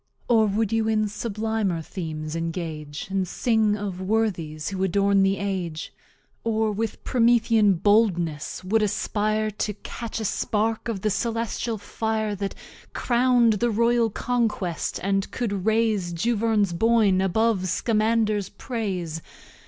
Or wou'd you in sublimer Themes engage, And sing of Worthies who adorn the Age? Or, with Promethean Boldness, wou'd aspire To Catch a Spark of the Celestial Fire That Crowned the Royal Conquest, and could raise Juverne's Boyn above Scamander's Praise?